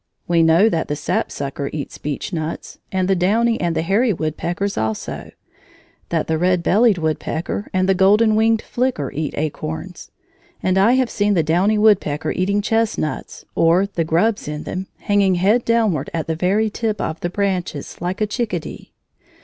We know that the sapsucker eats beechnuts, and the downy and the hairy woodpeckers also; that the red bellied woodpecker and the golden winged flicker eat acorns; and I have seen the downy woodpecker eating chestnuts, or the grubs in them, hanging head downward at the very tip of the branches like a chickadee.